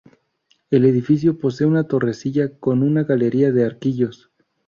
El edificio posee una torrecilla con una galería de arquillos.